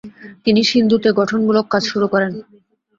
তিনি সিন্ধুতে গঠনমূলক কাজ শুরু করেন।